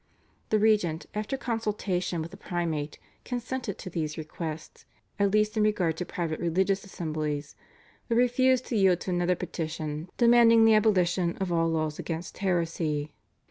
The regent after consultation with the primate consented to these requests, at least in regard to private religious assemblies, but refused to yield to another petition demanding the abolition of all laws against heresy.